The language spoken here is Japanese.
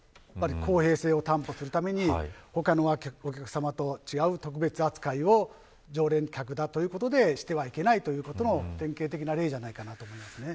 公平性を担保するために他のお客様と違う特別扱いは常連客だということでしてはいけないということを定型的な例だと思います。